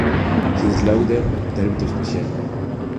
Slaughter de árbitro especial.